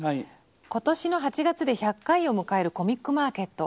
「今年の８月で１００回を迎えるコミックマーケット。